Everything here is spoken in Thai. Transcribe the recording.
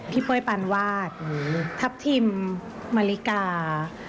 พี่เป้อยปานวาดทับทิมมริกา